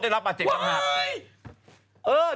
ได้รับประอาเจมส์แล้ว